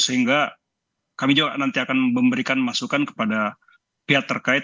sehingga kami juga nanti akan memberikan masukan kepada pihak terkait